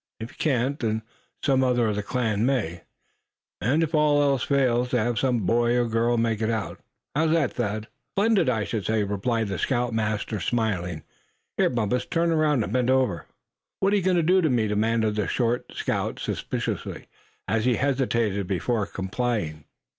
If he can't, then some other of the clan may; and if all else fails, they'll have some boy or girl make it out. How's that, Thad?" "Splendid, I should say," replied the scoutmaster, smiling. "Here, Bumpus, turn around, and bend over." "What you goin' to do to me?" demanded the short scout, suspiciously, as he hesitated before complying.